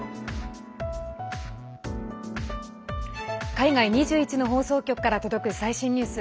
海外２１の放送局から届く最新ニュース。